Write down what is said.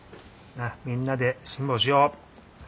みんなで辛抱しよう。